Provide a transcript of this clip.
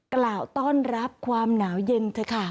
กล่าวต้อนรับความหนาวเย็นเถอะค่ะ